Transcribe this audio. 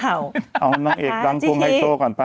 เอ้าน้องเอกรังต้องให้โทค่อนในก่อนไป